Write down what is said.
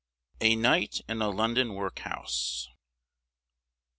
A NIGHT IN A LONDON WORKHOUSE.